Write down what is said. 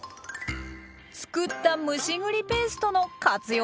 つくった蒸し栗ペーストの活用